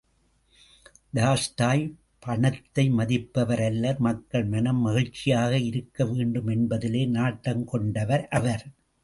Tolstoy பணத்தை மதிப்பவர் அல்லர் மக்கள் மனம் மகிழ்ச்சியாக இருக்க வேண்டும் என்பதிலே நாட்டம் கொண்டவர் அவர்.